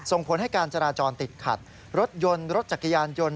ส่งผลให้การจราจรติดขัดรถยนต์รถจักรยานยนต์